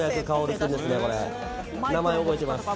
名前覚えてます。